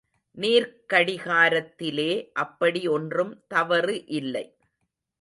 நீர்க்கடிகாரத்திலே அப்படி ஒன்றும் தவறு இல்லை.